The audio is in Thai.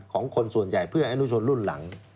ของคนส่วนใหญ่เพื่ออนุชนรุ่นหลัง